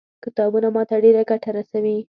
کتابونه ما ته ډېره ګټه رسوي.